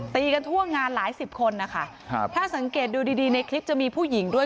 ตีกันทั่วงานหลายสิบคนนะคะครับถ้าสังเกตดูดีดีในคลิปจะมีผู้หญิงด้วย